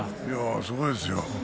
すごいですよ。